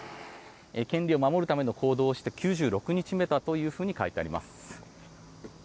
権利を守るための行動をして９６日目だと書いてあります。